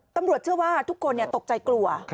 ตำรวจเชื่อว่าทุกคนตกใจกลัว